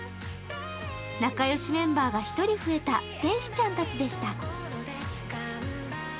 仲良しメンバーが１人増えた天使ちゃんたちでした。